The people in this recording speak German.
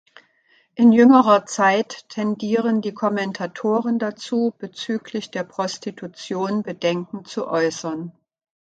In jüngerer Zeit tendieren die Kommentatoren dazu, bezüglich der Prostitution Bedenken zu äußern.